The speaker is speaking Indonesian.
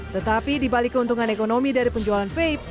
tetapi di balik keuntungan ekonomi dari penjualan vape